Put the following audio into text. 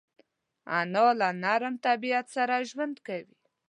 انا له نرم طبیعت سره ژوند کوي